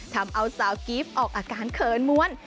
ทำเอาสาวกิฟต์ออกอาการเขินม้วน